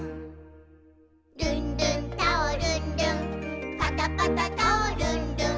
「ルンルンタオルン・ルンパタパタタオルン・ルン」